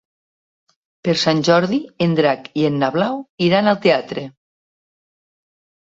Per Sant Jordi en Drac i na Blau iran al teatre.